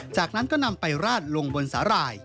จากนั้นก็นำไปราดลงบนสาหร่าย